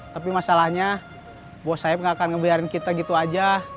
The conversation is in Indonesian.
tapi masalahnya buat saya gak akan ngebiarin kita gitu aja